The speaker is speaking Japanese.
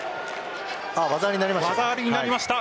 技ありになりました。